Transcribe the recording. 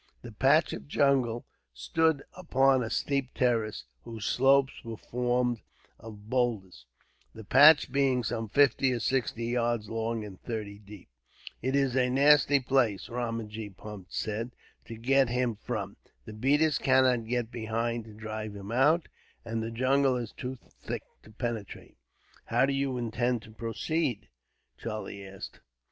The patch of jungle stood upon a steep terrace, whose slopes were formed of boulders, the patch being some fifty or sixty yards long and thirty deep. "It is a nasty place," Ramajee Punt said, "to get him from. The beaters cannot get behind to drive him out, and the jungle is too thick to penetrate." "How do you intend to proceed?" Charlie asked.